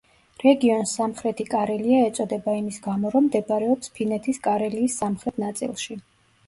რეგიონს სამხრეთი კარელია ეწოდება იმის გამო, რომ მდებარეობს ფინეთის კარელიის სამხრეთ ნაწილში.